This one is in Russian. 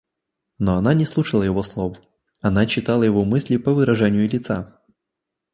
Но она не слушала его слов, она читала его мысли по выражению лица.